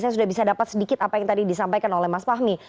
saya sudah bisa dapat sedikit apa yang tadi disampaikan oleh mas fahmi